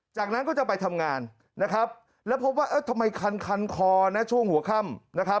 จากนั้นก็จะไปทำงานนะครับแล้วพบว่าทำไมคันคอนะช่วงหัวค่ำนะครับ